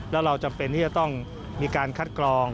แล้วเราจำเป็นที่จะต้องมีการคัดกรอง